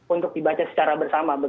untuk dibaca secara bersama